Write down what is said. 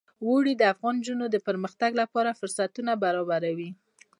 اوړي د افغان نجونو د پرمختګ لپاره فرصتونه برابروي.